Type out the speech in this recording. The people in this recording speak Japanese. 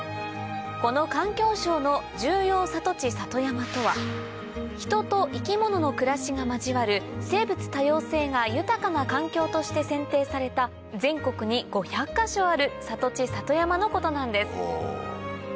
この環境省の重要里地里山とは人と生き物の暮らしが交わる生物多様性が豊かな環境として選定された全国に５００か所ある里地里山のことなんです